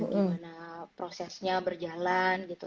gimana prosesnya berjalan gitu